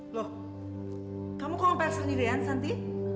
loh kamu kok ngepel sendiri ya santi